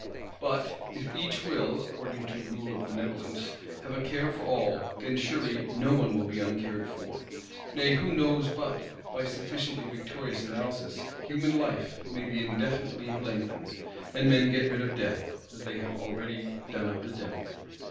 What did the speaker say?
But if each will, according to rule of Benevolence, have a care for all, then surely—no one will be uncared for. Nay, who knows but, by sufficiently victorious Analysis, "human life may be indefinitely lengthened," and men get rid of Death, as they have already done of the Devil?